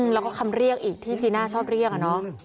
แล้วก็คำเรียกอีกที่จีน่าชอบเรียกอะเนาะ